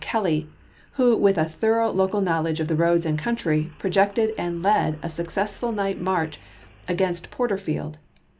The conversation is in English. Kelley, who with a thorough chap.xix. local knowledge of the roads and country, projected and led a successful night march against Porterfield.